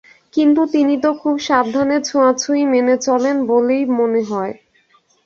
কিন্তু তিনি তো খুব সাবধানে ছোঁয়াছুঁয়ি মেনে চলেন বলেই মনে হয়।